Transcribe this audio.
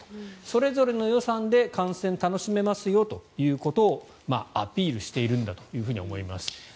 それぞれの予算で観戦を楽しめますよということをアピールしているんだと思います。